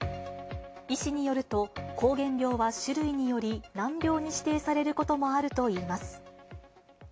医師によると、膠原病は種類により、難病に指定されることもあるといいます。